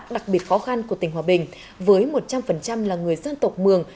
đặc biệt khó khăn của tỉnh hòa bình với một trăm linh là người dân tộc mường